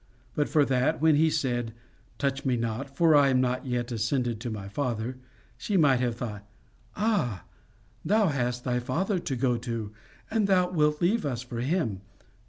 But for that, when he said TOUCH ME NOT, FOR I AM NOT YET ASCENDED TO MY FATHER, she might have thought 'Ah! thou hast thy Father to go to, and thou wilt leave us for him.